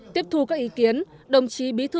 tiếp thu các ý kiến đồng chí bí thư